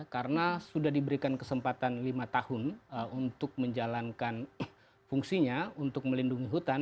karena sudah diberikan kesempatan lima tahun untuk menjalankan fungsinya untuk melindungi hutan